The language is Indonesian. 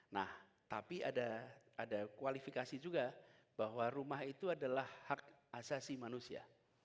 nah tapi ada kualifikasi juga bahwa rumah itu adalah hak asasi manusia